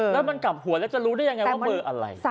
แล้วมันกลับหัวแล้วจะรู้ได้ยังไงว่าเบอร์อะไร